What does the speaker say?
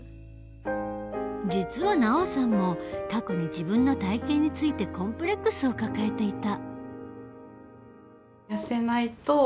実はＮＡＯさんも過去に自分の体型についてコンプレックスを抱えていた。